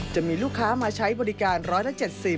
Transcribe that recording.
จะมีลูกค้ามาใช้บริการร้อยละ๗๐